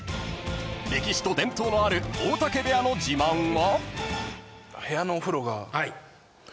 ［歴史と伝統のある大嶽部屋の自慢は？］